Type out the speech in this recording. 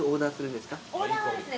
オーダーはですね